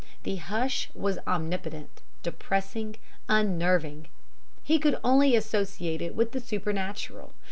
The hush was omnipotent, depressing, unnerving; he could only associate it with the supernatural.